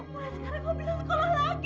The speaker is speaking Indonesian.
mulai sekarang kamu bisa sekolah lagi